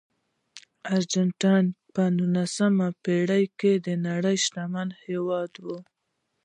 ارجنټاین په نولسمه پېړۍ کې د نړۍ شتمن هېواد و.